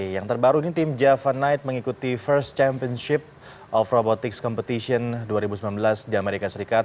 yang terbaru ini tim java night mengikuti first championship of robotics competition dua ribu sembilan belas di amerika serikat